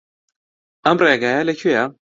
ئەم ڕێگایە لەکوێیە؟